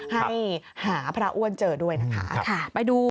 ให้หาพระอ้วนเจอด้วยนะคะ